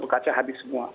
kaca habis semua